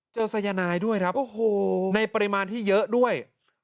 สายนายด้วยครับในปริมาณที่เยอะด้วย